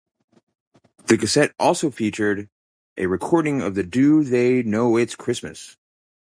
The cassette also featured a recording of the Do They Know It's Christmas?